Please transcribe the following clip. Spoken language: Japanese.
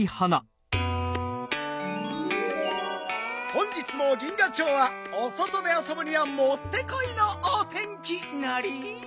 本日も銀河町はおそとであそぶにはもってこいのお天気なり！